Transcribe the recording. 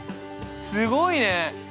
すごいね。